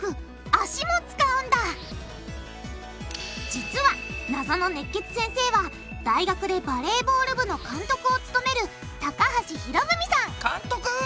実は謎の熱血先生は大学でバレーボール部の監督を務める高橋宏文さん監督！